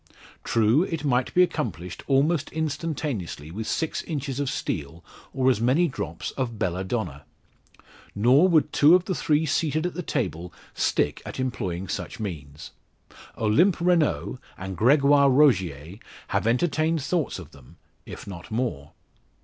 True, it might be accomplished, almost instantaneously with six inches of steel, or as many drops of belladonna. Nor would two of the three seated at the table stick at employing such means. Olympe Renault, and Gregoire Rogier have entertained thoughts of them if not more.